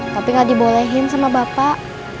tapi gak dibolehin sama bapak